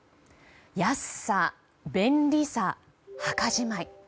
安さ、便利さ、墓じまい。